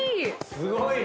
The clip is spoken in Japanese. すごいね。